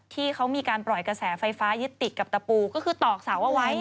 ที่เขามีการปล่อยกระแสไฟฟ้ายึดติดกับตะปูก็คือตอกเสาเอาไว้